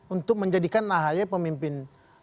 untuk menjadikan ahaya pemimpin